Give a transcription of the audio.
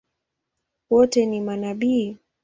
Wote ni manabii?